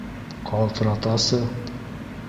Ҡалтыратасы...